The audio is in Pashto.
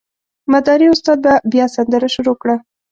مداري استاد به بیا سندره شروع کړه.